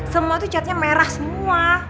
semua tuh catnya merah semua